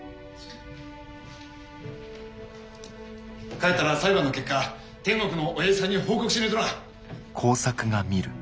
帰ったら裁判の結果天国のおやじさんに報告しねえとな。